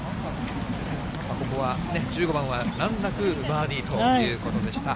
ここは１５番は、難なくバーディーということでした。